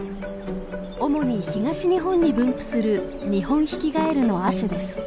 主に東日本に分布するニホンヒキガエルの亜種です。